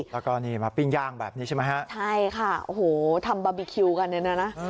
แล้วก็นี่มาปิ้งย่างแบบนี้ใช่ไหมฮะใช่ค่ะโอ้โหทำบาร์บีคิวกันเนี่ยนะ